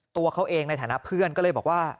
ตัวเขาเองในฐานะเพื่อนก็เลยบอกว่า